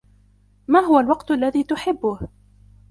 ما هو الوقت الذي تحبه